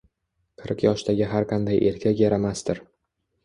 Qirq yoshdagi har qanday erkak yaramasdir.